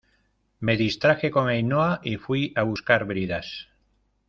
me distraje con Ainhoa y fui a buscar bridas